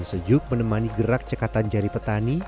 sejuk menemani gerak cekatan jari petani